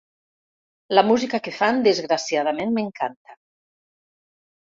La música que fan desgraciadament m’encanta.